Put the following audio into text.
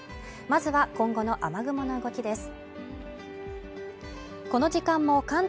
まずは今後の雨雲の動きです